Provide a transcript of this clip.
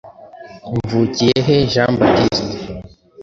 mvukiyehe jeana baptitse